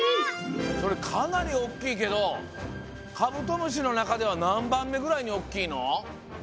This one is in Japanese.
それかなりおっきいけどカブトムシのなかではなんばんめぐらいにおっきいの？